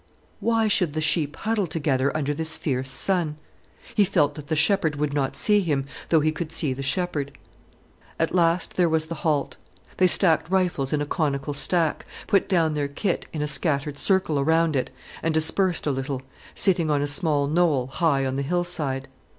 Why should the sheep huddle together under this fierce sun. He felt that the shepherd would not see him, though he could see the shepherd. At last there was the halt. They stacked rifles in a conical stack, put down their kit in a scattered circle around it, and dispersed a little, sitting on a small knoll high on the hillside.